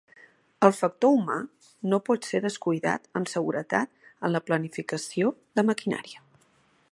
El factor humà no pot ser descuidat amb seguretat en la planificació de maquinària.